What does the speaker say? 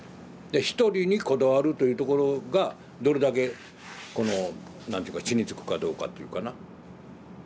で一人にこだわるというところがどれだけこの何ていうか地に着くかどうかっていうかな。